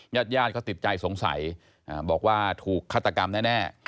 ญาติญาติเขาติดใจสงสัยบอกว่าถูกฆาตกรรมแน่